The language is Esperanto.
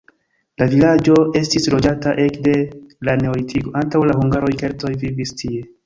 La vilaĝo estis loĝata ekde la neolitiko, antaŭ la hungaroj keltoj vivis tie.